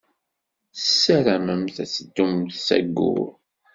Tessaramemt ad teddumt s Ayyur.